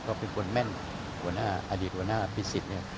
เขาเป็นคนแม่นหัวหน้าอดีตหัวหน้าพิสิทธิ์เนี่ย